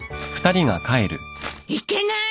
いけない！